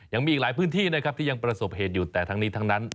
ยังมีอีกหลายพื้นที่นะครับที่ยังประสบเหตุอยู่แต่ทั้งนี้ทั้งนั้น